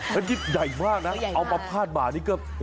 มันยิบใหญ่มากนะเอามาพาดบ่านี่ก็โอ้โฮ